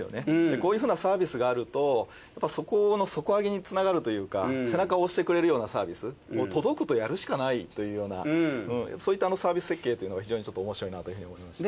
こういうふうなサービスがあるとそこの底上げにつながるというか背中を押してくれるようなサービス。というようなそういったサービス設計というのが非常におもしろいなというふうに思いました。